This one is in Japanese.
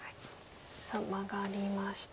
さあマガりましたね。